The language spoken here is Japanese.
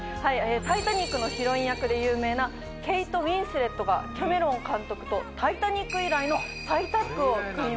『タイタニック』のヒロイン役で有名なケイト・ウィンスレットがキャメロン監督と『タイタニック』以来の再タッグを組みました。